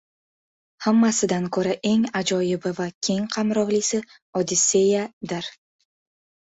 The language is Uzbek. Hammasidan ko‘ra eng ajoyibi va keng qamrovlisi “Odisseya”dir.